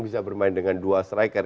bisa bermain dengan dua striker